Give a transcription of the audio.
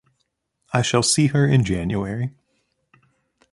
I shall see her in January.